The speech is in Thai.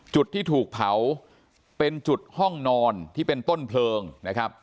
จุดที่ถูกเผาเป็นจุดห้องนอนที่เป็นต้นเพลิงนะครับ